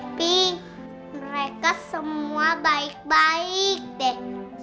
tapi mereka semua baik baik dek